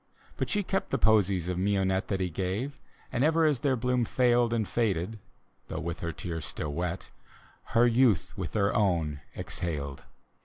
But she kept the posies of mignonette That he gave; and ever as their bloom failed And faded (though with her tears still wet) Her youth with their own exhaled.